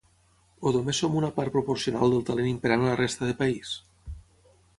O només som una part proporcional del talent imperant a la resta de país?